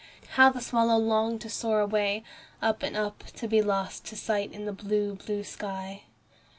How the swallow longed to soar away, up and up, to be lost to sight in the blue, blue sky!